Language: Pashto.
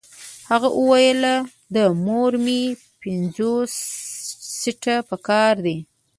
هغې وويل د مور مې پنځوس سنټه پهکار دي.